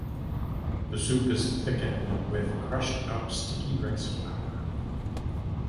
The soup is thicken with crushed up sticky rice flour.